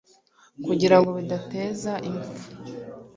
kugira ngo bidateza imfu